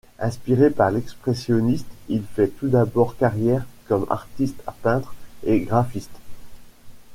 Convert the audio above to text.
Inspiré par l’expressionnisme, il fait tout d’abord carrière comme artiste peintre et graphiste.